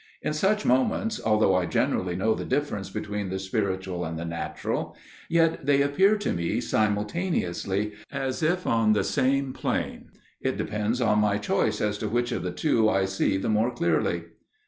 In such moments, although I generally know the difference between the spiritual and the natural, yet they appear to me simultaneously, as if on the same plane. It depends on my choice as to which of the two I see the more clearly.